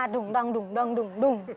dung dang dung dang dung dung